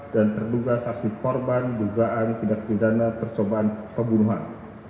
dan terduga saksi korban dugaan tidak berdana percobaan pembunuhan